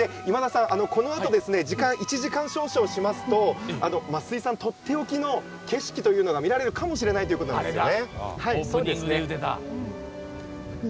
このあと、１時間少々しますと増井さんとっておきの景色というのが見られるかもしれないということなんですよね。